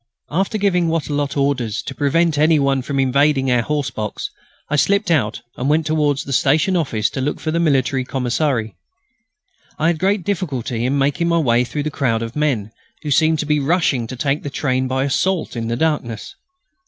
After giving Wattrelot orders to prevent any one from invading our horse box I slipped out and went towards the station office to look for the military commissary. I had great difficulty in making my way through the crowd of men who seemed to be rushing to take the train by assault in the darkness.